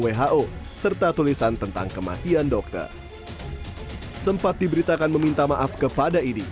who serta tulisan tentang kematian dokter sempat diberitakan meminta maaf kepada idi